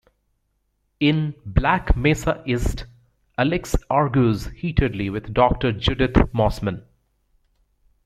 In "Black Mesa East", Alyx argues heatedly with Doctor Judith Mossman.